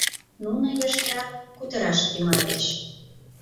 Нуно йыштрак кутыраш тӱҥальыч.